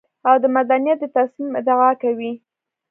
او د مدنيت د تصميم ادعا کوي.